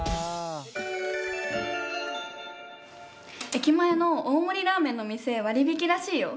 駅前の大盛りラーメンの店割引きらしいよ！